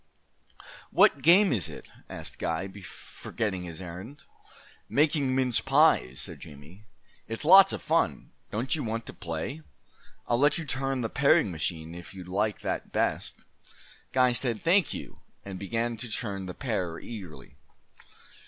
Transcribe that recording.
"What game is it?" asked Guy, forgetting his errand. "Making mince pies," said Jamie. "It's lots of fun. Don't you want to play? I'll let you turn the paring machine if you'd like that best." Guy said "Thank you" and began to turn the parer eagerly.